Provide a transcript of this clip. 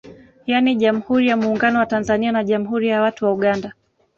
Yani Jammhuri ya Muungano wa Tanzania na Jammhuri ya watu wa Uganda